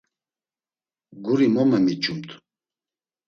Guri mo memiç̌umt.